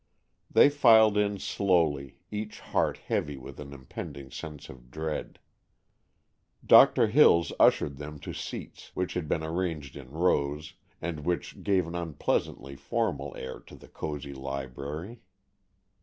They filed in slowly, each heart heavy with an impending sense of dread. Doctor Hills ushered them to seats, which had been arranged in rows, and which gave an unpleasantly formal air to the cozy library.